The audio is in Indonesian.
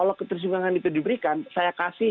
kalau ketersinggungan itu diberikan saya kasih saya kasih